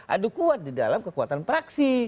adu kuat di dalam kekuatan praksi